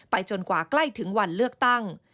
จนกว่าใกล้ถึงวันเลือกตั้ง